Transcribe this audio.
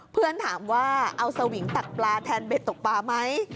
เพื่อนถามว่าเอาสวิงตักปลาแทนเบ็ดตกปลาไหม